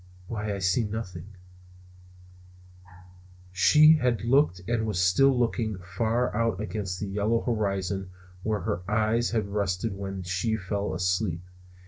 "Why, I see nothing." She had looked and was still looking far out against the yellow horizon where her eyes had rested when she fell asleep.